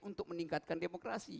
untuk meningkatkan demokrasi